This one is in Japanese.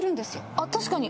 あ、確かに。